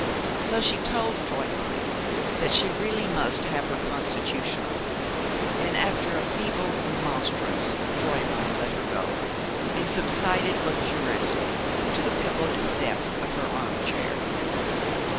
So she told Fräulein that she really must have her constitutional; and after a feeble remonstrance Fräulein let her go, and subsided luxuriously into the pillowed depth of her arm chair.